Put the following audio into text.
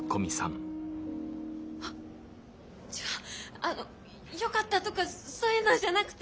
あのよかったとかそういうのじゃなくて！